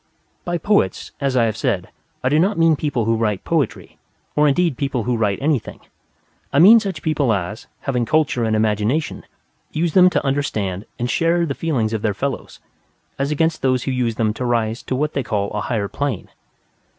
By poets, as I have said, I do not mean people who write poetry, or indeed people who write anything. I mean such people as, having culture and imagination, use them to understand and share the feelings of their fellows; as against those who use them to rise to what they call a higher plane.